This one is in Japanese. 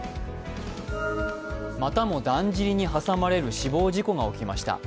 またもだんじりに挟まれる死亡事故が起きました。